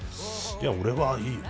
いや俺はいいよ。